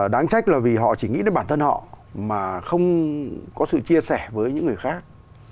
đáng trách là vì họ chỉ nghĩ đến bản thân họ mà không có sự chia sẻ với những người khác